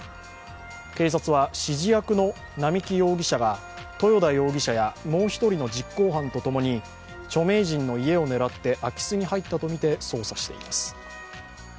警察は指示役の並木容疑者が豊田容疑者やもう一人の実行犯とともに著名人の家を狙って空き巣に入ったとみて捜査しています。